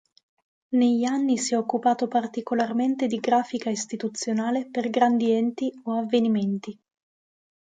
Negli anni si è occupato particolarmente di grafica istituzionale per grandi enti o avvenimenti.